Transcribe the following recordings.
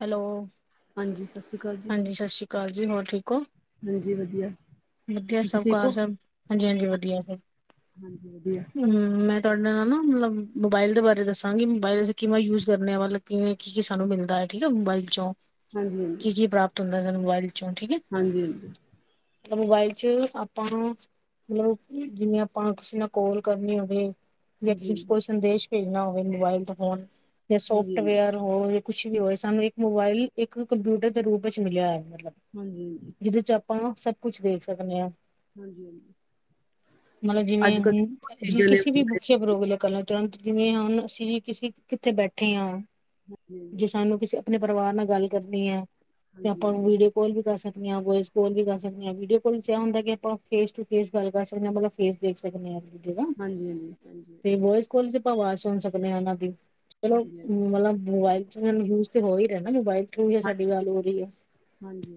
Hello. ਹਾਂਜੀ ਸਤਿ ਸ਼੍ਰੀ ਅਕਾਲ। ਜੀ ਹਾਂਜੀ ਸਤਿ ਸ਼੍ਰੀ ਅਕਾਲ ਜੀ। ਹੋਰ ਠੀਕ ੳ? ਹਾਂਜੀ ਵਧੀਆ। ਵਧੀਆ ਤੁਸੀਂ ਸਭ ਠੀਕ ਕਾਰ ਹੋ ਸਭ ਹਾਂਜੀ-ਹਾਂਜੀ ਵਧੀਆ ਸਭ। ਹਾਂਜੀ ਵਧੀਆ। ਹੂੰ ਮੈਂ ਤੁਹਾਡੇ ਨਾਲ ਨਾ ਮਲਬ ਮੋਬਾਇਲ ਦੇ ਬਾਰੇ ਦੱਸਾਂਗੀ, ਮੋਬਾਇਲ ਚ ਕਿਵੇਂ ਯੂਜ ਕਰਨੇ ਆ ਵਾ ਕਿਵੇਂ ਕੀ ਕੀ ਸਾਨੂੰ ਮਿਲਦਾ ਏ ਠੀਕ ਏ ਮੋਬਾਈਲ ਚੋਂ, ਹਾਂਜੀ-ਹਾਂ ਕੀ ਕੀ ਪ੍ਰਾਪਤ ਹੁੰਦਾ ਸਾਨੂੰ ਮੋਬਾਇਲ ਇੱਚੋਂ ਠੀਕ ਏ। ਹਾਂਜੀ-ਹਾਂ ਮੋਬਾਇਲ ਚ ਆਪਾਂ ਨੂੰ ਮਤਲਬ ਜਿਵੇਂ ਆਪਾਂ ਕਿਸੇ ਨਾਲ ਕੋਲ ਕਰਨੀ ਹੋਵੇ ਜੇ ਹਾਂਜੀ ਕਿਸੇ ਨੂੰ ਹਾਂਜੀ ਕੋਈ ਸੰਦੇਸ਼ ਪੇਜਣਾ ਹੋਵੇ ਮੋਬਾਇਲ ਤੇ ਫੋਨ ਤੇ ਹਾਂਜੀ ਹਾਂਜੀ ਸੋਫਟਵੇਅਰ ਹੋਏ ਕੁਛ ਵੀ ਹੋਏ ਸਾਨੂੰ ਇੱਕ ਮੋਬਾਇਲ ਇੱਕ ਕੰਪਿਊਟਰ ਦੇ ਰੂਪ ਵਿੱਚ ਮਿਲਆ ਹੋਯਾ ਮਤਲਬ ਹਾਂਜੀ-ਹਾਂਜੀ। ਜਿਦੇ ਚ ਆਪਾਂ ਸਭ ਕੁਛ ਦੇਖ ਸਕਣੇ ਆ। ਹਾਂਜੀ ਹਾਂਜੀ ਹਾਂਜੀ ਹਾਂਜੀ ਮਤਲ ਅੱਜ ਜਿਵੇਂ ਕੱਲ ਹੁਣ ਜੇ ਚੀਜ਼ਾਂ ਨੇ ਕਿਸੀ ਵੀ ਹਾਂਜੀ [unintelligible] ਤੁਰੰਤ ਜਿਵੇਂ ਹੁਣ ਅਸੀਂ ਕਿਂ ਕਿੱਥੇ ਬੈਠੇ ਆਂ। ਹਾਂਜੀ। ਜੇ ਸਾਨੂੰ ਕਿਸੇ ਅਪਣੇ ਪਰਵਾਰ ਨਾਲ ਗੱਲ ਕਰਨੀ ਐ, ਤੇ ਹਾਂਜੀ ਆਪਾਂ ਹਾਂਜੀ ਹਾਂਜੀ ਵੀਡੀਓ ਕੋਲ ਵੀ ਕਰ ਸਕਨੇ ਆਂ ਵੋਏਸ ਕੋਲ ਵੀ ਕਰ ਸਕਨੇ ਆਂ ਵੀਡੀਓ ਕੋਲ ਚ ਐ ਹੁੰਦਾ ਕਿ ਆਪਾਂ ਫੇਸ ਟੂ ਫੇਸ ਗੱਲ ਕਰ ਸਕਨੇ ਆਂ ਮਤਲਬ ਫੇਸ ਦੇਖ ਸਕਨੇ ਆ ਇੱਕ-ਦੂਜੇ ਦਾ, ਹਾਂਜੀ ਹਾਂਜੀ ਤੇ ਵੋਏਸ ਕਾਲ ਚ ਆਪਾਂ ਵਾਜ਼ ਸੁਣ ਸਕਨੇ ਆ ਓਨਾਂ ਦੀ। ਚਲੋ ਹਾਂਜੀ ਹਾਂਜੀ ਮਤਲਬ ਮੋਬਾਇਲ ਚ ਮੈਮ ਯੂਜ ਤੇ ਹੋ ਈ ਰੇਆ ਨਾ ਮੋਬਾਇਲ ਠੀਕ ਐ ਸਾਡੀ ਗੱਲ ਹੋ ਰੀ ਐ। ਹਾਂਜੀ ਹਾਂਜੀ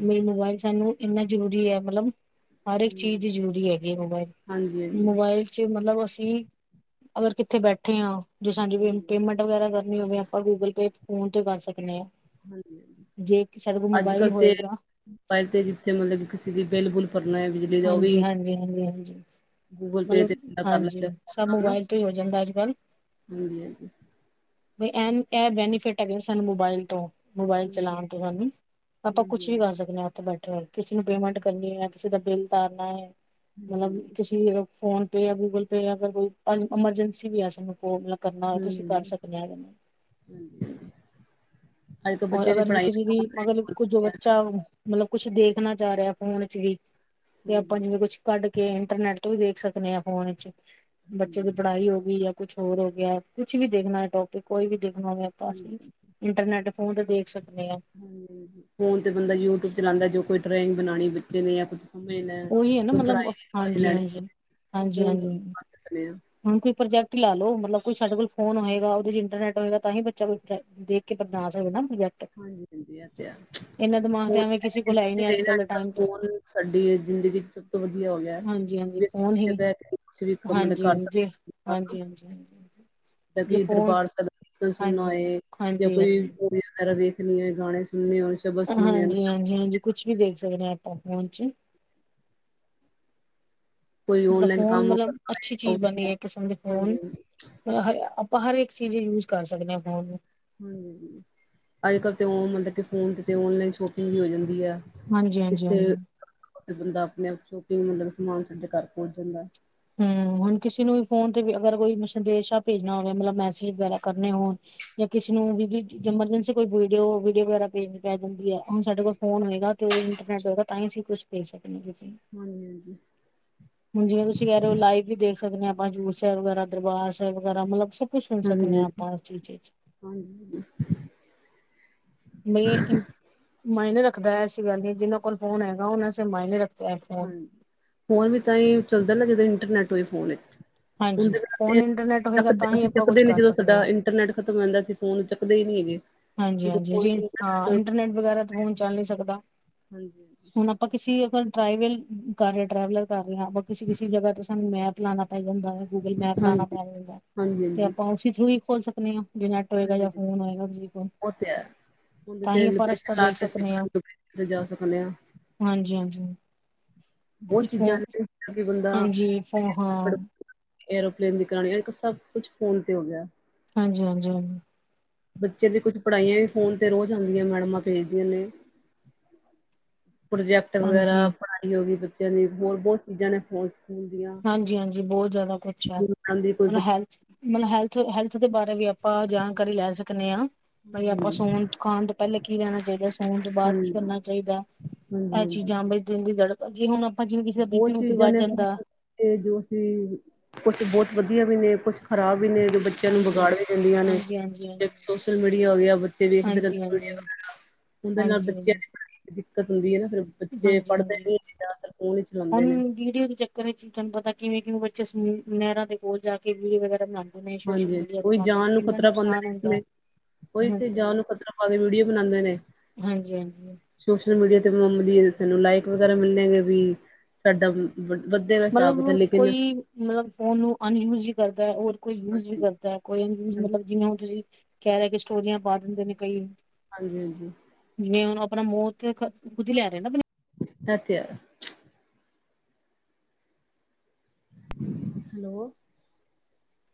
ਮੇ ਮੋਬਾਈਲ ਸਾਨੂੰ ਏਨਾ ਜ਼ਰੂਰੀ ਐ, ਮਤਲਬ ਹਰ ਏਕ ਚੀਜ਼ ਚ ਜਰੂਰੀ ਹੈਗੀ ਮੋਬਾਇਲ, ਹਾਂਜੀ ਮੋਬਾਇਲ ਜੇ ਮਤਲਬ ਅਸੀਂ ਅਗਰ ਕਿੱਥੇ ਬੈਠੇ ਆਂ ਜੇ ਸਾਡੀ ਹਾਂਜੀ ਪੇਮੇਂਟ ਵਗੈਰਾ ਕਰਨੀ ਹੋਵੇ, ਆਪਾਂ ਗੂਗਲ ਪੇ, ਫੋਨ ਤੇ ਕਰ ਸਕਨੇ ਆਂ। ਹਾਂਜੀ ਜੇ ਸਾਡੇ ਕੋਲ ਅੱਜ ਮੋਬਾਇਲ ਕੱਲ੍ਹ ਤੇ ਹੋਏਗਾ ਮੋਬਾਇਲ ਤੇ ਜਿੱਥੇ ਮਤਲਬ ਕਿਸੇ ਦੀ ਬਿਲ-ਬੁਲ ਪਰਨਾ ਬਿਜਲੀ ਦਾ ਓ ਹਾਂਜੀ ਵੀ ਹਾਂਜੀ ਹਾਂਜੀ ਹਾਂਜੀ ਗੂਗਲ ਪੇ ਮਤਲਬ ਤੇ ਬੰਦਾ ਕਰ ਲੈਂਦਾ ਹਾਂਜੀ, ਫੋਨ ਸਭ ਮੋਬਾਇਲ ਤੋਂ ਈ ਹੋ ਜਾਂਦਾ ਅੱਜ-ਕੱਲ। ਹਾਂਜੀ-ਹਾਂਜੀ। ਬਈ ਐਨ ਐ ਬੈਨੀਫਿਟ ਹੈਗੇ ਸਾਨੂੰ ਮੋਬਾਇਲ ਤੋਂ। ਮੋਬਾਇਲ ਹਾਂਜੀ ਚਲਾਣ ਤੋਂ ਸਾਨੂੰ ਆਪਾਂ ਹਾਂਜੀ ਕੁਛ ਵੀ ਹਾਂਜੀ ਕਰ ਸਕਨੇ ਆਂ ਓੱਥੇ ਬੈਠੇ ਹੋਏ ਕਿਸੇ ਨੂੰ ਪੇਮੈਂਟ ਕਰਨੀ ਐ ਕਿਸੇ ਦਾ ਬਿੱਲ ਤਾਰਨਾ ਏ, ਹਾਂਜੀ ਮਤਲਬ ਹਾਂਜੀ ਕਿਸੀ ਫੋਨ ਪੇ ਐ, ਗੂਗਲ ਪੇ ਐ ਅਗਰ ਕੋਈ ਅਨ ਅਮਰਜੈਂਸੀ ਵੀ ਐ ਸਾਨੂੰ ਕੋਲ ਕਰਨਾ ਹੋਵੇ ਤੇ ਅਸੀਂ ਕਰ ਹਮ ਸਕਨੇ ਆਂ ਏਦੇ ਨਾ ਹਾਂਜੀ ਅੱਜ ਕੱਲ੍ਹ ਔਰ ਬੱਚੇ ਦੀ ਅਗਰ ਪੜ੍ਹਾਈ ਕਿਸੇ ਦੀ ਅਗਰ ਕੁਜ ਬੱਚਾ ਮਤਲਬ ਕੁਛ ਦੇਖਣਾ ਚਾਹ ਰੇਆ ਫੋਨ ਚ ਵੀ ਤੇ ਆਪਾਂ ਹਾਂਜੀ ਜਿਵੇਂ ਕੁਛ ਕੱਢ ਕੇ ਇੰਟਰਨੈਟ ਤੋਂ ਵੀ ਦੇਖ ਸਕਨੇ ਆਂ ਫੋਨ ਚ ਬੱਚੇ ਹਾਂਜੀ ਦੇ ਪੜ੍ਹਾਈ ਹੋਗੀ ਯਾਂ ਕੁਛ ਹੋਰ ਹੋ ਗਿਆ, ਕੁਛ ਵੀ ਦੇਖਣਾ ਏ ਟੋਪਿਕ ਕੋਈ ਵੀ ਦੇਖਣਾ ਹੋਵੇ ਤਾਂ ਹਾਂਜੀ ਅਸੀਂ ਇੰਟਰਨੈੱਟ ਫੋਨ ਤੇ ਦੇਖ ਸਕਨੇ ਆਂ। ਹਾਂਜੀ ਫੋਨ ਤੇ ਬੰਦਾ ਯੂਟਿਊਬ ਚਲਾਦਾ, ਜੋ ਕੋਈ ਡਰਾਇੰਗ ਬਣਾਣੀ ਬੱਚੇ ਨੇ ਯਾਂ ਕੁਛ ਸਮਝਣਾ ਹੈ, ਓਈ ਏ ਨਾ ਕੋਈ ਮਤਲਬ ਪੜ੍ਹਾਈ ਦੀ ਨੌਲੇਜ ਲੈਣੀ ਹੈ ਹਾਂਜੀ-ਹਾਂਜੀ, ਉਹ ਫੋਨ ਹਾਂਜੀ-ਹਾਂਜੀ। ਤੋਂ ਕਰ ਸਕਦੇ ਹਾਂ ਹੁਣ ਕੋਈ ਪ੍ਰੋਜਕਟ ਲਾ ਲੋ ਮਤਲਬ ਕੋਈ ਸਾਡੇ ਕੋਲ ਫੋਨ ਹੋਏਗਾ, ਉਹਦੇ ਚ ਇੰਟਰਨੈਟ ਹੋਏਗਾ ਤਾਂ ਈ ਬੱਚਾ ਕੁਛ ਦੇਖ ਕੇ ਬਣਾ ਸਕਦਾ ਨਾ ਪ੍ਰੋਜੈਕਟ। ਹਾਂਜੀ ਹਾਂਜੀ ਇਹ ਤੇ ਹੈ ਏਨਾਂ ਦਿਮਾਗ ਤੇ ਫੋਨ ਐਵੇਂ ਕਿਸੇ ਕੋਲ ਹੈ ਹੀ ਨੀ ਰਹੇ ਨਾ ਅੱਜ-ਕੱਲ ਦੇ ਅੱਜ ਕੱਲ ਟਾਈਮ ਤੇ। ਫੋਨ ਸਾਡੀ ਜ਼ਿੰਦਗੀ ਚ ਵਧੀਆ ਹੋ ਗਯਾ ਹਾਂਜੀ ਹਾਂਜੀ ਬੀਔਔੌ ਫੋਨ ਕਿਥੇ ਹੀ ਬੈ ਕੇ ਕੁਛ ਵੀ ਕੰਮ ਮਤਲਬ ਹਾਂਜੀ ਕਰ ਜੇ ਸਕਦੇ ਹਾਂਜੀ ਓ। ਂ ਹਾਂਜੀ ਹਾਂਜੀ ਜਿੱਦਾਂ ਜੇ ਕਿ ਫੋਨ ਦਰਬਾਰ ਸੈਬ ਦਾ ਕੀਰਤਨ ਸੁਣਨਾ ਹਾਂਜੀ ਹੈਏ ਯਾ ਹਾਂਜੀ ਕੋਈ ਰੀਲ ਹਾਂਜੀ ਵਗੈਰਾ ਵੇਖਣੀ ਏ, ਗਾਨੇ ਸੁਨਣੇ ਹੋਏ ਸ ਹਾਂਜੀ-ਹਾਂਜੀ-ਹਾਂਜੀ ਕੁੱਛ ਵੀ ਵੇਖ ਸਕਨੇ ਆ ਆਪਾਂ ਫੋਨ ਚ ਕੋਈ ਮਤਲਬ ਔਨਲਾਈਨ ਫੋਨ ਲ ਕ ਕੰਮ ਤਲਬ ਕਰਨਾ ਅੱਛੀ ਹੋਏ ਉਹ ਚੀਜ਼ ਵੀ ਬਣ, ਇੱਕ ਕਿਸਮ ਦੇ ਹਾਂਜੀ ਫੋਨ ਹਾਂਜੀ ਹ ਆਪਾਂ ਹਰ ਇਕ ਚੀਜ਼ ਯੂਜ ਕਰ ਸਕਦੇ ਹਾਂ ਫੋਨ ਨੂੰ। ਹਾਂਜੀ ਅੱਜ ਕਲ੍ਹ ਤੇ ਉਹ ਮਤਲਬ ਕਿ ਫੋਨ ਤੇ ਓਨਲਾਈਨ ਸ਼ੋਪਿੰਗ ਵੀ ਹੋ ਜਾਂਦੀ ਆ। ਹਾਂਜੀ ਹਾਂਜੀ ਹਾਂਜੀ ਥੇ ਬੰਦਾ ਆਪਣੇ ਆਪ ਸ਼ੋਪਿੰਗ ਮਤਲਬ ਸਮਾਨ ਸਾਡੇ ਘਰ ਪਹੁੰਚ ਜਾਂਦਾ। ਹਮ ਹੁਣ ਕਿਸੇ ਨੂੰ ਵੀ ਫੋਨ ਤੇ ਵੀ ਅਗਰ ਕੋਈ ਸੰਦੇਸ਼ਾ ਭੇਜਣਾ ਹੋਵੇ ਮਤਲਬ ਮੈਸੇਜ ਵਗੈਰਾ ਕਰਨੇ ਹੋਣ। ਜਾਂ ਕਿਸੇ ਨੂੰ ਵੀ ਐਮਰਜੈਂਸੀ ਕੋਈ ਵੀਡੀਓ, ਵੀਡੀਓ ਵਗੈਰਾ ਭੇਜਣੀ ਪੈ ਜਾਂਦੀ ਹੈ। ਹੁਣ ਸਾਡੇ ਕੋਲ ਫੋਨ ਹੋਏਗਾ ਤੇ ਉਹ ਇੰਟਰਨੈੱਟ ਹੋਏਗਾ ਤਾਂ ਹੀ ਅਸੀਂ ਕੁੱਛ ਭੇਜ ਸਕਦੇ। ਹਾਂਜੀ-ਹਾਂਜੀ ਹੁਣ ਜਿਵੇਂ ਤੁਸੀਂ ਕਹਿ ਰਹੇ ਹੋ ਲਾਈਵ ਵੀ ਦੇਖ ਸਕਦੇ ਆ, ਆਪਾਂ ਹਜ਼ੂਰ ਸਾਹਿਬ ਵਗੈਰਾ, ਦਰਬਾਰ ਸਾਹਿਬ ਵਗੈਰਾ ਮਤਲਬ। ਕੁ ਸੁਣ ਸਕਦੇ ਹਾਂ ਆਪਾਂ ਉਸ ਚੀਜ਼ ਚ। ਹਾਂਜੀ-ਹਾਂਜੀ। ਨਹੀਂ ਮਾਇਨੇ ਰੱਖਦਾ, ਐਸੀ ਗੱਲ ਨਹੀਂ, ਜਿਨਾਂ ਕੋਲ ਫੋਨ ਹੈਗਾ ਉਹਨਾਂ ਮਾਇਨੇ ਰੱਖ। ਹਾਂਜੀ ਫੋਨ ਵੀ ਤਾਂ ਹੀ ਚੱਲਦਾ ਨਾ ਜ ਇੰਟਰਨੈਟ ਹੋਏ ਫੋਨ। ਹਾਂਜੀ ਦੇ ਵਾਸ ਫੋਨ ਚ ਇੰਟਰਨੈਟ ਹੋਏਗਾ ਤਾਂ ਹੀ ਅਸੀਂ ਆਪਾਂ ਕੁਛ ਚੱਕਦੇ ਨੇ ਕਰ ਜਦੋਂ ਸਕਦੇ ਹਾਂ ਸਾਡਾ ਇੰਟਰਨੈਟ। ਖ਼ਤਮ ਹੁੰਦਾ ਸੀ ਅਸੀ ਫੋਨ ਚੁੱਕਦੇ ਹੀ ਨਹੀਂ ਹੈਗੇ। ਜਦੋਂ ਹਾਂਜੀ-ਹਾਂਜੀ ਫੋਨ ਜੀ ਹਾਂ ਹੋਏ, ਇੰਟਰਨੈਟ ਵਗੈਰਾ ਤਾਂ ਫੋਨ ਚੱਲ ਨੀ ਸਕਦਾ। ਹਾਂਜੀ ਹੁਣ ਆਪਾਂ ਕਿਸੇ ਅਗਰ ਟ੍ਰਈਵਲ ਕਰ ਰ ਹਾਂ ਟਰੈਵਲਰ ਕਰ ਰਹੇ ਹਾਂ, ਕਿਸੇ -ਕਿਸੇ ਜਗ੍ਹਾ ਤੇ ਸਾਨੂੰ ਮੈਪ। ਲਾਉਣਾ ਪੈ ਜਾਂਦਾ ਹੈ, ਗੂਗਲ ਮੈਪ ਲਾਉਣਾ ਹਾਂਜੀ ਪੈ ਜਾਂਦਾ ਹੈ ਹਾਂਜੀ ਤੇ ਹਾਂਜੀ ਆਪਾਂ ਉਸੇ ਚੀਜ਼ ਨੂੰ ਹੀ ਖੋਲ ਸਕਦੇ ਹਾਂ। ਜੇ ਨੇਟ ਹੋਏਗਾ ਜਾ ਹਾਂਜੀ ਫੋਨ ਹੋਏਗਾ ਜੀ। ਉਹ ਤੇ ਹੈ। ਓਦੇ ਤੇ ਲੋਕੇਸ਼ਨ ਰਸਤਾ ਲਾ ਦੇਖ ਕੇ ਸਕਦੇ ਹਾਂ ਅਸੀਂ ਤੇ ਜਾ ਸਕਦੇ ਆਂ। ਹਾਂਜੀ-ਹਾਂਜੀ ਬਹੁਤ ਚੀਜ਼ਾਂ ਫੋਨ ਨੇ ਜੋ ਕੀ ਬੰਦਾ। ਹਾਂਜੀ ਫੋ ਹਾਂ ਏਰੋਪਲੇਨ ਦੀ ਕਰਣੀ ਇੱਥੇ ਸਭ ਕੁਝ ਫ਼ੋਨ 'ਤੇ ਹੀ ਹੋ ਗਿਆ ਹੈ। ਹਾਂਜੀ ਹਾਂਜੀ। ਬੱਚੇ ਦੀਆਂ ਕੁਝ ਪੜ੍ਹਾਈਆਂ ਵੀ ਫ਼ੋਨ 'ਤੇ ਰੋਜ਼ ਆਉਂਦੀਆਂ ਨੇ, ਮੈਡਮਾਂ ਭੇਜਦੀਆਂ ਨੇ। ਪ੍ਰੋਜੈਕਟ ਵਗੈਰਾ, ਹਾਂਜੀ। ਪੜ੍ਹਾਈ ਹੋ ਗਈ ਬੱਚਿਆਂ ਦੀ, ਹੋਰ ਬਹੁਤ ਚੀਜ਼ਾਂ ਨੇ ਫ਼ੋਨ 'ਚ ਸਕੂਲ ਦੀਆਂ। ਹਾਂਜੀ ਹਾਂਜੀ, ਬਹੁਤ ਜ਼ਿਆਦਾ ਕੁਝ ਹੈ। ਗੁਰੂ ਨਾਨਕ ਦੀ ਕੋਈ ਮਤਲਬ ਬੱਚੇ ਹੈਲਥ ਦੇ ਬਾਰੇ ਵੀ ਅਪਾ ਜਾਣਕਾਰੀ ਲੈ ਸਕਨੇ ਹਾਂ। ਬਾਈ, ਆਪਾਂ ਨੂੰ ਹਾਂਜੀ ਸੌਣ-ਖਾਣ ਤੋਂ ਪਹਿਲਾਂ ਕੀ ਕਰਨਾ ਚਾਹੀਦਾ ਹੈ। ਅਤੇ ਸੌਣ ਤੋਂ ਬਾਅਦ ਕੀ ਹਾਂਜੀ ਕਰਨਾ ਚਾਹੀਦਾ ਹੈ? ਹਾਂਜੀ ਇਹ ਹਾਂਜੀ ਚੀਜ਼ਾਂ, ਦਿਲ ਦੀ ਧੜਕਨ। ਜਿਵੇਂ ਕਿਸੇ ਦਾ ਬੀਪੀ ਬੂਪੀ ਵੱਧ ਜਾਂਦਾ। ਇਹੋ ਹੀ ਕੁਝ ਬਹੁਤ ਵਧੀਆ ਵੀ ਨੇ, ਕੁਝ ਖ਼ਰਾਬ ਵੀ ਨੇ ਜੋ। ਬੱਚੇਆਂ ਨੂੰ ਹਾਂਜੀ। ਵਿਗਾੜ ਵੀ ਦਿੰਦੀਆਂ ਨੇ, ਹਾਂਜੀ-ਹਾਂਜੀ-ਹਾਂਜੀ, ਇੱਕ ਸੋਸ਼ਲ ਮੀਡੀਆ ਹੋ ਗਿਆ। ਬੱਚੇ ਦੇਖਦੇ ਰਹਿੰਦੇ ਨੇ ਹਾਂਜੀ-ਹਾਂਜੀ, ਸੋਸ਼ਲ ਮੀਡੀਆ, ਉਹਦੇ ਨਾਲ ਹਾਂਜੀ-ਹਾਂਜੀ, ਪੜ੍ਹਾਈ 'ਚ ਵੀ ਦਿੱਕਤ ਹੁੰਦੀ ਹੈ। ਬੱਚੇ ਪੜ੍ਹਦੇ ਨੀ। ਫੋਨ ਹੀ ਹੋਣ ਚਲਾਉਂਦੇ ਨੇ ਵੀਡਿਓ ਦੇ ਚੱਕਰ। ਚ ਤੁਹਾਨੂੰ ਪਤਾ ਕਿਵੇਂ ਕਿਵੇਂ ਬੱਚੇ ਨਹਿਰਾਂ ਦੇ ਕੋਲ ਜਾ ਕੇ ਵੀਡੀਓ ਬਣਾਉ ਨੇ। ਸੋਸ਼ਲ ਹਾਂਜੀ ਹਾਂਜੀ, ਮੀਡੀਆ ਤੇ ਉਹੀ ਪਾਉਂਦੇ ਨੇ ਜਾਨ ਨੂੰ ਕਿੰਨਾ ਖ਼ਤਰਾ ਨੁਕਸਾਨ ਪਾਉਂਦੇ ਹੁੰਦਾ ਨੇ। ਉਹ ਇੱਥੇ ਜਾ ਨੂੰ ਖ਼ਤਰਾ ਪਾ ਕੇ ਵੀਡੀਓ ਬਣਾਉਂਦੇ ਨੇ। ਹਾਂਜੀ ਹਾਂਜੀ ਸੋਸ਼ਲ ਮੀਡੀਆ 'ਤੇ ਰੇਲਸ ਨੂੰ ਲਾਈਕ ਵਗੈਰਾ ਮਿਲਣ ਗੇ ਵੀ। ਸਾਡਾ ਵੱਡੇ ਗਾ ਹਿਸਾਬ ਮਤਲਬ ਲੇਕਿੰਨ। ਕੋਈ ਮਤਲਬ ਫੋਨ ਨੂੰ ਅਨਯੂਜ ਵੀ ਕਰਦਾ ਹੈ ਹੋਰ ਕੋਈ ਯੂਜ ਵੀ ਹਾਂਜੀ ਕਰਦਾ ਕੋਈ ਅਨਯੂਜ ਮਤਲਬ ਜਿਵੇਂ ਹੁਣ ਤੁਸੀਂ। ਕਹਿ ਰਹੇ ਕੇ ਸਟੋਰੀਆਂ ਪਾ ਦਿੰਦੇ ਨੇ ਕਈ। ਹਾਂਜੀ ਹਾਂਜੀ। ਜਿਵੇਂ ਉਹ ਹੁਣ ਆਪਣਾ ਮੌਤ ਖੁਦ ਹੀ ਲੇਰੇ ਨਾ। ਅਹ ਤੇ ਹੈ। ਹੈਲੋ।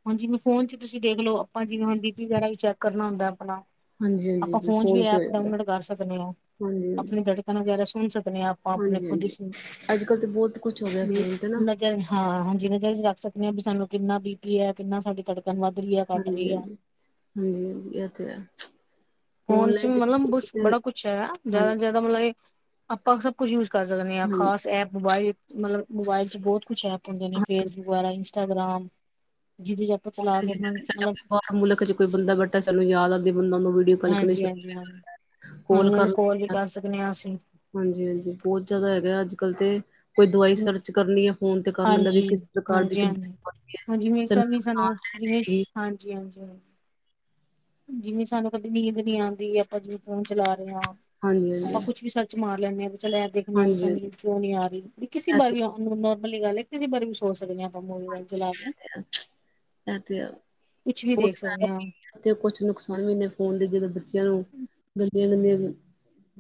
ਹੁਨ ਜਿਵੇਂ ਫੋਨ ਚ ਤੁਸੀ ਦੇਖਲੋ, ਆਪਾ ਜਿਵੇ ਹੁਨ ਬੀ -ਪੀ ਵਗੈਰਾ ਵੀ ਚੈਕ ਕਰਨਾ ਹੁੰਦਾ ਆਪਨਾ ਹਾਂਜੀ ਹਾਂਜੀ ਆਪਾਂ ਜੀ ਫ਼ੋਨ 'ਚ ਵੀ ਫੋਨ ਤੇ ਹੋ ਐਪ ਜਾਂਦਾ ਡਾਊਨਲੋਡ ਕਰ ਸਕਦੇ ਆ, ਹਾਂਜੀ ਹਾਂਜੀ ਆਪਣੀ ਧੜਕਣ ਵਗੈਰਾ ਸੁਣ ਸਕਦੇ ਆ ਆਪਨੇ ਨੇ ਹਾਂਜੀ ਖੁਦ ਹੀ ਹਾਂਜੀ ਸੀ, ਅੱਜ ਕੱਲ੍ਹ ਤਾਂ ਬਹੁਤ ਕੁਛ ਹੋ ਗਿਆ ਵੀ ਫੋਨ ਤੇ ਨਾ ਨਜਰ ਹਾ ਹਾਂਜੀ ਨਜ਼ਰ ਚ ਰੱਖ ਸਕਦੇ ਆ, ਬਈ ਸਾਨੂੰ ਕਿੰਨਾ ਬੀ -ਪੀ ਆ, ਕਿੰਨਾ ਸਾਡੀ ਧੜਕਣ ਵੱਧ ਰੀ ਆ। ਹਾਂਜੀ -ਹਾਂਜੀ-ਹਾਂਜੀ -ਹਾਂਜੀ ਏ ਤੇ ਹੈ ਫੋਨ ਚ ਮਤਲਬ ਕੁਛ, ਔਨਲਾਈਨ ਬੜਾ ਕੁਛ ਹੈ, ਜ਼ਾਦਾ ਹਾਂਜੀ -ਜ਼ਾਦਾ ਮਤਲਬ ਕੀ ਆਪਾਂ ਸਭ ਕੁਝ ਯੂਜ ਕਰ ਸਕਦੇ ਆ, ਹਾਂਜੀ ਖਾਸ ਐਪ ਮੋਬਾਇਲ ਮਤਲਬ ਮੋਬਾਇਲ ਚ ਬਹੁਤ ਕੁਛ ਐਪ ਹੁੰਦੇ ਨੇ ਫੇਸਬੁਕ ਵਗੈਰਾ, ਇੰਸਟਾਗ੍ਰਾਮ ਜਿਹਦੇ ਚਲਾ ਕੇ ਸਾਡਾ ਮਤਲਬ ਕੋਈ ਮੁਲਕ ਚ ਕੋਈ ਬੰਦਾ ਬੈਠਾ, ਸਾਨੂੰ ਯਾਦ ਆਂਦੀ ਬੰਦਾ ਓ ਨੂੰ ਵੀ ਹਾਂਜੀ -ਹਾਂਜੀ -ਹਾਂਜੀ, ਹਾਂਜੀ ਓਹ ਨੂੰ ਕੋਲ ਵੀ ਕਰ ਸਕਦੇ ਆ ਅਸੀ। ਹਾਂਜੀ -ਹਾਂਜੀ, ਬੋਤ ਜ਼ਾਦਾ ਹੈਗਾ, ਅੱਜ ਕੱਲ੍ਹ ਤੇ ਕੋਈ ਦਵਾਈ ਹਾਂਜੀ ਸਰਚ ਕਰਨੀ ਐ, ਫੋਨ ਤੇ ਕਰ ਲੈਂਦਾ ਵਈ ਹਾਂਜੀ ਕਿਸ ਪ੍ਰਕਾਰ ਦੀ ਹਾਂਜੀ ਕਿਦਾ ਦੀ ਦਵਾਈ ਹਾਂ ਜਿਵੇਂ ਕਦੀ ਆ ਸਾਨੂੰ ਜਿਵੇਂ ਹਾਂਜੀ- ਹਾਂਜੀ -ਹਾਂਜੀ। ਜਿਵੇਂ ਸਾਨੂੰ ਕਦੇ ਨੀਂਦ ਨੀ ਆਂਦੀ, ਆਪਾਂ ਜਦੋ ਫੋਨ ਚਲਾ ਰਏ ਆ, ਆਪਾਂ ਹਾਂਜੀ-ਹਾਂਜੀ, ਕੁੱਛ ਵੀ ਸਰਚ ਸਰਚ ਮਾਰ ਲੈਨੇ ਆ, ਚਲ ਇਹ ਦੇਖਨੇ ਆ, ਸਾਨੂੰ ਹਾਂਜੀ-ਹਾਂਜੀ ਨੀਂਦ ਕਯੋ ਨੀ ਆਰੀ। ਕਿਸੇ ਇਹ ਬਾਰੇ ਤੇ ਵੀ ਸੋਚ ਸਕਦੇ ਆ, ਆਪਾਂ ਮੂਵੀ-ਮਾਵੀ ਚਲਾ ਕੇ। ਹੈ ਇਹ ਤੇ ਹੈ ਕੁਛ ਵੀ ਬਹੁਤ ਦੇਖ ਸਕਦੇ ਫਾਇਦਾ ਆ। ਵੀ ਤੇ ਕੁਛ ਨੁਕਸਾਨ ਵੀ ਨੇ ਫੋਨ ਦੇ ਜਿਵੇ ਬੱਚੇਆਂ ਨੂੰ ਦਿਨੋ-ਦਿਨ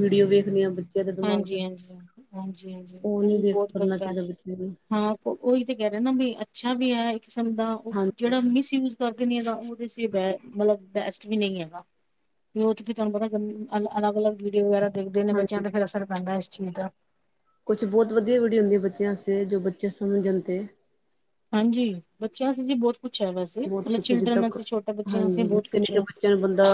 ਵੀਡਿਓ ਵੇਖਦੇ ਆ ਬੱਚੇ ਬੱਚੇਆ ਦੇ ਦਿਮਾਗ ਤੇ ਹਾਂਜੀ ਅਸਰ, ਹਾਂਜੀ ਹਾਂਜੀ ਹਾਂਜੀ ਫੋਨ ਉਹ ਨਈ ਵੀ ਯੂਸ ਬਹੁਤ ਕਰਨਾ ਗ਼ਲਤ ਹੈ ਚਾਹੀਦਾ ਬੱਚੇਆਂ ਲਈ। ਹਾਂ ਓਹੀ ਤੇ ਕਹਿ ਰਹੇ ਨਾ ਵੀ, ਅੱਛਾ ਵੀ ਹੈ ਇੱਕ ਕਿਸਮ ਦਾ, ਜੇਹੜਾ ਹਾਂਜੀ-ਹਾਂਜੀ ਮਿਸਯੂਜ ਫ਼ਰਕ ਨਹੀਂ ਹੈਗਾ, ਓਹਦੇ ਚ ਬੈ ਮਤਲਬ ਬੈਸਟ ਵੀ ਨਹੀਂ ਹੈਗਾ। ਵਈ ਓਹ ਤੇ ਤਾਨੂੰ ਪਤਾ ਗੰ ਅਲੱਗ -ਅਲੱਗ ਵੀਡੀਓ ਵਗੈਰਾ ਦੇਖਦੇ ਨੇ, ਬੱਚਿਆਂ ਤੇ ਫਿਰ ਅਸਰ ਪੈਂਦਾ ਹੈ ਇਸ ਚੀਜ਼ ਦਾ। ਕੁੱਛ ਬੋਤ ਵੱਧੀਆ ਵੀਡੀਓ ਹੁੰਦੀ ਆ ਬੱਚੇਆਂ ਵਾਸਤੇ ਜੋ ਬੱਚੇ ਸਮਂਝਣ ਤੇ। ਹਾਂਜੀ, ਬੱਚੇਆਂ ਵਾਸਤੇ ਜੀ ਬੋਤ ਬੋਤ ਕੁੱਛ ਜਿੱਦਾ ਕ ਬੱਚਿਆਂ ਵਾਸਤੇ ਹਾਂਜੀ, ਬਹੁਤ ਨਿੱਕੇ ਕੁਛ -ਨਿੱਕੇ ਹੈ ਬੱਚੇਆਂ ਨੂੰ ਬੰਦਾ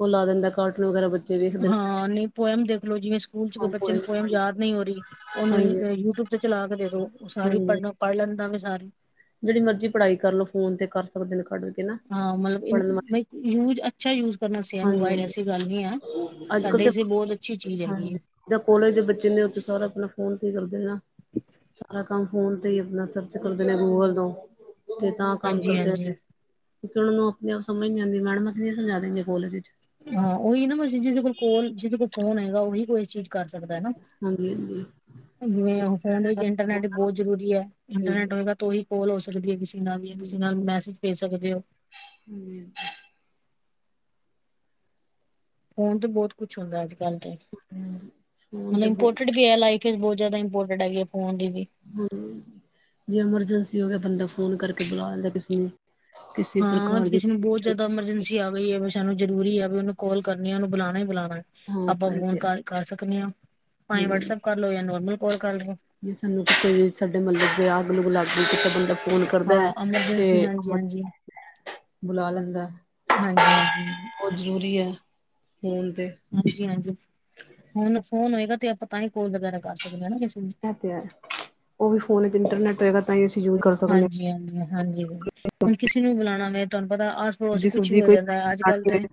ਓਹ ਲਾ ਦੇਂਦਾ ਕਾਰਟੂਨ ਵਗੈਰਾ ਬੱਚੇ ਦੇ ਹਾਂ ਨਈ ਪੋਏਮ ਦੇਖਲੋ ਜਿਵੇਂ ਸਕੂਲ ਚ ਕੋਈ ਰਹਿੰਦੇ ਬੱਚੇ ਪੋਇਮ ਨੂੰ ਪੋਏਮ ਯਾਦ ਨਈ ਹੋ ਰਈ, ਉਹਨੂੰ ਹਾਂਜੀ ਯੂਟਿਊਬ ਤੇ ਚਲਾ ਕੇ ਦੇ -ਦੋ ਸਾਰੀ ਪੜ੍ਹ ਪੜ ਲੈਂਦਾ ਵੇ ਸਾਰੀ। ਜੇਹੜੀ ਮਰਜ਼ੀ ਪੜਾਈ ਕਰ ਲਓ, ਫੋਨ ਤੇ ਕਰ ਸਕਦੇ ਨੇ ਕੱਢ ਕੇ ਨਾ ਹਾਂ, ਪੜ੍ਹਨ ਵਾਲੇ ਮਤਲਬ ਯੂਜ ਆ ਅੱਛਾ ਯੂਜ ਕਰਨਾ ਸੀ ਆਂ ਹਾਂਜੀ ਮੋਬਾਇਲ ਹਾਂਜੀ ਐਸੀ ਗੱਲ ਨਈ ਆ, ਸਾਡੇੇ ਵਾਸਤੇ ਬੋਤ ਅੱਛੀ ਚੀਜ਼ ਹੈਗੀ ਆ। ਜੇਹੜੇ ਕਾਲਜ ਦੇ ਬੱਚੇ ਨੇ ਉਹ ਤਾਂ ਸਾਰਾ ਆਪਣਾ ਫੋਨ ਤੇ ਕਰਦੇ ਨਾ। ਸਾਰਾ ਕੰਮ ਫੋਨ ਤੇ ਈ ਆਪਣਾ ਸਰਚ ਕਰਦੇ ਨੇ ਗੂਗਲ ਤੋਂ, ਤੇ ਤਾਂ ਕੰਮ ਹਾਂਜੀ ਕਰਦੇ ਹਾਂਜੀ ਹਜੇ, ਕਿਓਕੀ ਓਹਨਾਂ ਨੂੰ ਆਪਣੇ ਆਪ ਸਮਂਝ ਨੀ ਆਂਦੀ, ਮੈਡਮਾਂ ਕਿ ਸਮਝਾ ਦੇਣਗੀਆ ਕੋਲੇਜ ਵਿੱਚ। ਹਾਂ ਓਹੀ ਨਾ ਮਰਜ਼ੀ ਜਿਹਦੇ ਕੋਲ - ਜਿਹਦੇ ਕੋਲ ਫੋਨ ਹੈਗਾ ਓਹੀ ਕੋ ਇਸ ਚੀਜ਼ ਕਰ ਸਕਦਾ ਹਨਾ ਹਾਂਜੀ ਹਾਂਜੀ ਜਿਵੇਂ ਫੋਨ ਵਿੱਚ ਇੰਟਰਨੈਟ ਬੋਤ ਜ਼ਰੂਰੀ ਆ, ਹਾਂਜੀ ਇੰਟਰਨੈਟ ਹੋਏਗਾ ਤਾਂ ਓਹੀ ਕੋਲ ਹੋ ਸਕਦੀ ਆ, ਕਿਸੇ ਨਾਲ ਵੀ ਜਾਂ ਕਿਸੇ ਨਾਲ ਮੈਸੇਜ ਭੇਜ ਸਕਦੇ ਓ। ਹਮ [unintelligible] ਫੋਨ ਤੇ ਬਹੁਤ ਕੁੱਛ ਹੁੰਦਾ ਅੱਜ -ਕੱਲ ਤੇ, ਫੋਨ ਹੁਣ ਤੇ ਇਮਪੋਂਰਟਿਡ ਬਹੁਤ ਦੀ ਹੈ ਲਾਈਫ ਬੋਤ ਜ਼ਾਦਾ ਇੰਮਪੋਰਟੈਂਟ ਹੈਗੀ ਆ ਫੋਨ ਦੀ ਵੀ। ਹੂੰ, ਜੇ ਐਮਰਜੈਂਸੀ ਹੋ ਗਿਆ ਬੰਦਾ ਫੋਨ ਕਰਕੇ ਬੁਲਾ ਲੈਂਦਾ ਕਿਸੇ ਨੂੰ। ਕਿਸੇ ਹਾਂ ਪ੍ਰਕਾਰ ਦੀ ਕਿਸੇ ਨੂੰ ਬੋ ਜਦੋਂ ਐਮਰਜੈਂਸੀ ਆ ਗਈ ਐ ਸਾਨੂੰ ਜ਼ਰੂਰੀ ਆ ਵੀ ਉਹਨੂੰ ਕਾਲ ਕਰਨੀ ਉਹਨੂੰ ਬੁਲਾਣਾ ਈ ਬੁਲਾਣਾ। ਹਾਂ ਆਪਾਂ ਇਹ ਫੋਨ ਤੇ ਹੈ ਕਰ ਕਰ ਸਕਦੇ ਆ ਭਾਵੇ ਵਟਸਅੱਪ ਕਰਲੋ ਜਾਂ ਨੋਰਮਲ ਕਾਲ ਕਰਲੋ। ਜੀ ਸਾਨੂੰ ਕਿਤੇ ਵੀ ਸਾਡੇ ਮਹੱਲੇ ਚ ਅੱਗ ਲੂੱਗ ਗਈ ਕਿ [unintelligible] ਫੋਨ ਕਰਦਾ ਹਾਂ ਐਮਰਜੈਂਸੀ ਤੇ ਹਾਂਜੀ ਹਾਂਜੀ ਬੁਲਾ ਲੈਂਦਾ। ਹਾਂਜੀ ਹਾਂਜੀ। ਬਹੁਤ ਜ਼ਰੂਰੀ ਐ ਫੋਨ ਤੇ। ਹਾਂਜੀ ਹਾਂਜੀ, ਹੁਣ ਫੋਨ ਹੋਏਗਾ ਤੇ ਆਪਾਂ ਤਾਂ ਈ ਕਾਲ ਵਗੈਰਾ ਕਰ ਸਕਦੇ ਆ ਨਾ ਕਿਸੇ ਨੂੰ ਓ ਤੇ ਹੈ, ਓ ਵੀ ਫੋਨ ਤੇ ਇੰਟਰਨੈਟ ਹੋਏਗਾ ਤਾਂ ਅਸੀਂ ਯੂਜ਼ ਕਰ ਸਕਦੇ ਹਾਂ। ਹਾਂਜੀ ਹਾਂਜੀ, ਹਾਂਜੀ ਹੁਣ ਕਿਸੇ ਨੂੰ ਬੁਲਾਉਣਾ ਮੈਂ ਤੁਹਾਨੂੰ ਪਤਾ ਥੋੜਾ ਸਬਜੀ ਕੁੱਛ ਵੀ ਸੁਬਜੀ ਹੋ ਕੋਈ ਜਾਂਦਾ ਅੱਜ ਕਲ ਹਾਂਜੀ ਤੇ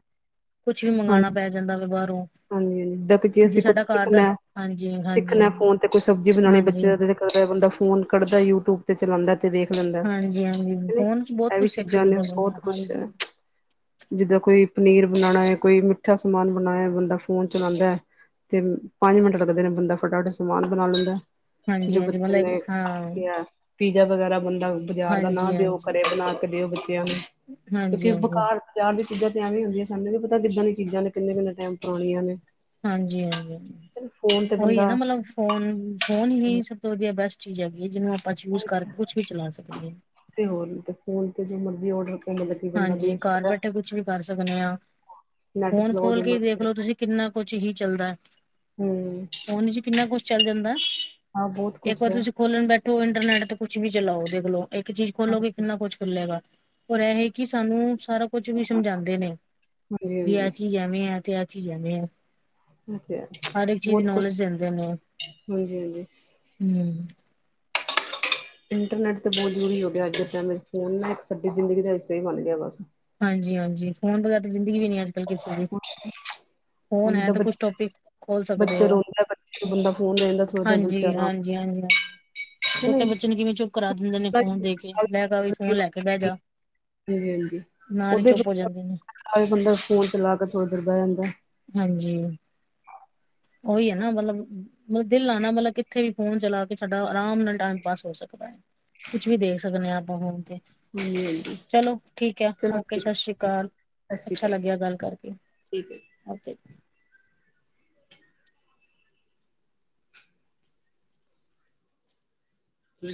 ਕੁੱਛ ਵੀ ਮੰਗਾਣਾ ਪੈ ਜਾਂਦਾ ਵਾ ਬਾਹਰੋਂ। ਹੂੰ, ਦੇਖੋ ਜੀ ਜੇ ਅਸੀਂ ਕੁੱਛ ਸਾਡਾ ਘਰ ਦਾ ਸਿੱਖਣਾ ਹਾਂਜੀ ਹਾਂਜੀ ਸਿੱਖਣਾ ਫੋਨ ਤੇ ਕੁੱਛ ਸਬਜ਼ੀ ਬਣਾਣੀ ਹਾਂਜੀ। ਬੱਚੇ ਦਾ ਬੰਦਾ ਫੋਨ ਕੱਢਦਾ ਯੂਟਿਊਬ ਤੇ ਚਲਾਂਦਾ ਤੇ ਵੇ ਖਦਾ ਹਾਂਜੀ-ਹਾਂਜੀ ਫੋਨ ਚ ਬਹੁਤ ਏ ਕੁਛ ਵੀ ਸਿੱਖ ਚੀਜ਼ਾਂ ਨੇ ਸਕਦਾ ਬੰਦਾ ਬਹੁਤ ਕੁੱਛ। ਹਾਂਜੀ। ਜਿੱਦਾਂ ਕੋਈ ਪਨੀਰ ਬਣਾਣਾ ਐ ਕੋਈ ਮਿੱਠਾ ਸਮਾਨ ਬਣਾਏ ਬੰਦਾ। ਫੋਨ ਚਲਾਂਦਾ ਤੇ ਪੰਜ ਮਿੰਟ ਲੱਗਦੇ ਨੇ ਬੰਦਾ ਫਟਾਫਟ ਸਮਾਨ ਬਣਾ ਲੈਂਦਾ। ਜੋ ਹਾਂਜੀ-ਹਾਂਜੀ ਬੱਚਿਆਂ ਮਤਲਬ ਨੇ ਹਾਂ ਕਿਹਾ। ਪੀਜ਼ਾ ਵਗੈਰਾ ਬੰਦਾ ਬਾਜ਼ਾਰ ਦਾ ਨਾ ਦਿਓ ਹਾਂਜੀ-ਹਾਂਜੀ, ਘਰੇ ਬਣਾ ਕੇ ਦਿਓ ਬੱਚਿਆਂ ਨੂੰ ਕਿਉਂਕਿ ਹਾਂਜੀ-ਹਾਂਜੀ। ਬੇਕਾਰ ਬਜ਼ਾਰ ਦੀ ਚੀਜ਼ਾਂ ਤੇ ਐਵੇਂ ਹੁੰਦੀਆਂ ਸਾਨੂੰ ਵੀ ਪਤਾ ਕਿੱਦਾਂ ਦੀਆਂ ਚੀਜ਼ਾਂ ਨੇ ਕਿੰਨੇ ਕਿੰਨੇ ਟਾਈਮ ਪੁਰਾਣੀਆਂ ਨੇ। ਹਾਂਜੀ ਹਾਂਜੀ, ਫੋਨ ਤੇ ਓਹੀ ਐ ਨਾ ਬੰਦਾ ਮਤਲਬ ਫੋਨ ਫੋਨ ਹੀ ਸਭ ਤੋਂ ਵਧੀਆ ਬੈਸਟ ਚੀਜ਼ ਹੈਗੀ ਐ ਜਿਹਨੂੰ ਆਪਾਂ ਯੂਜ ਕਰਕੇ ਕੁੱਛ ਵੀ ਚਲਾ ਸਕਦੇ ਆ। ਤੇ ਹੋਰ ਤੇ ਫੋਨ ਤੇ ਜੋ ਮਰਜ਼ੀ ਔਡਰ ਮਤਲਬ ਕਿ ਬੰਦਾ ਹਾਂਜੀ, ਦੇਖ ਘਰ ਸਕਦਾ। ਬੈਠੇ ਕੁੱਛ ਵੀ ਕਰ ਸਕਦੇ ਆ ਨੈਟ ਫੋਨ ਚਲਾਓ ਖੋਲ ਜੋ ਕੇ ਮਰਜ਼ੀ ਦੇਖ ਲੋ ਦੇਖੋ ਤੁਸੀਂ ਕਿੰਨਾ ਕੁੱਛ ਹੀ ਚੱਲਦਾ। ਹੂੰ ਫੋਨ ਵਿੱਚ ਕਿੰਨਾ ਕੁਛ ਚੱਲ ਜਾਂਦਾ ਹਾਂ ਬਹੁਤ ਇੱਕ ਕੁਛ ਵਾਰ ਹੈ। ਤੁਸੀਂ ਖੋਲਣ ਬੈਠੋ ਇੰਟਰਨੈਟ ਤੇ ਕੁੱਛ ਵੀ ਚਲਾਓ ਉਹਦੇ ਕੋਲੋਂ ਇੱਕ ਚੀਜ਼ ਖੋਲੋਗੇ ਕਿੰਨਾ ਕੁੱਛ ਖੁਲੇਗਾ ਪਰ ਏ ਕਿ ਸਾਨੂੰ ਸਾਰਾ ਕੁਝ ਵੀ ਸਮਝਾਂਦੇ ਨੇ ਬੀ ਹਾਂਜੀ-ਹਾਂਜੀ ਐ ਚੀਜ਼ ਐਵੇਂ ਆ ਤੇ ਐ ਚੀਜ਼ ਐਵੇਂ ਆ। ਠੀਕ ਐ ਹੋਰ ਕੁਛ ਹਾਂਜੀ ਹਾਂਜੀ। ਹੂੰ। ਇੰਟਰਨੈਟ ਤੇ ਬਹੁਤ ਜ਼ਰੂਰੀ ਹੋ ਗਿਆ ਅੱਜ ਟੈਮ ਚ ਫੋਨ ਇੱਕ ਸਾਡੀ ਜ਼ਿੰਦਗੀ ਦਾ ਹਿੱਸਾ ਈ ਬਣ ਗਿਆ ਬਸ। ਹਾਂਜੀ ਹਾਂਜੀ, ਫੋਨ ਵਗੈਰਾ ਤਾ ਜ਼ਿੰਦਗੀ ਵੀ ਨੀ ਐ ਅੱਜ ਕੱਲ ਕਿਸੇ ਦੀ। ਫੋਨ ਹੁਣ ਹੈ ਜਿੱਦਾਂ ਤੇ ਕੁਛ ਬੱਚੇ ਟੋਪਿਕ ਖੋਲ ਸਕਦੇ ਬੱਚੇ ਓ ਰੋਂਦਾ ਬੱਚੇ ਬੰਦਾ ਫੋਨ ਦੇ ਦਿੰਦਾ ਥੋੜਾ ਜਾ ਬੱਚਾ ਹਾਂਜੀ ਆਰਾਮ ਹਾਂਜੀ। ਹਾਂਜੀ। ਕਿ ਛੋਟੇ ਨਹੀਂ ਬੱਚੇ ਨੂੰ ਕਿਵੇਂ ਚੁੱਪ ਕਰਾ ਦਿੰਦੇ ਨੇ ਫੋਨ ਦੇ ਕੇ ਲੈ [inaudible] ਵੀ ਫੋਨ ਲੈ ਕੇ ਬੈ ਜਾ। ਹਾਂਜੀ ਹਾਂਜੀ। ਨਾਲ ਈ ਚੁੱਪ ਹੋ ਜਾਂਦੇ ਨੇ। [inaudible] ਬੰਦਾ ਫੋਨ ਚਲਾ ਕੇ ਥੋੜੀ ਦੇਰ ਬਹਿ ਜਾਂਦਾ। ਹਾਂਜੀ ਓਹੀ ਐ ਨਾ ਮਤਲਬ ਮਤਲਬ ਦਿਲ ਲਾਨਾ ਮਤਲਬ ਕਿੱਥੇ ਵੀ ਫੋਨ ਚਲਾ ਕੇ ਸਾਡਾ ਆਰਾਮ ਨਾਲ ਟਾਇਮ ਪਾਸ ਹੋ ਸਕਦਾ। ਕੁਛ ਵੀ ਦੇਖ ਸਕਦੇ ਐ ਆਪਾਂ ਫੋਨ ਤੇ ਹਾਂਜੀ-ਹਾਂਜੀ ਚਲੋ ਠੀਕ ਐ ਚਲੋ ਓਕੇ ਠੀਕ ਸਤਿ ਸ੍ਰੀ ਹੈ ਅਕਾਲ। ਸਤਿ ਸ਼੍ਰੀ ਅੱਛਾ ਅਕਾਲ ਜੀ ਲੱਗਿਆ ਗੱਲ ਕਰਕੇ। ਠੀਕ ਐ। ਓਕੇ।